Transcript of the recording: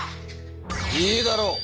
いいだろう。